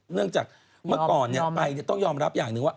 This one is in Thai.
เนื่องจากเมื่อก่อนไปต้องยอมรับอย่างหนึ่งว่า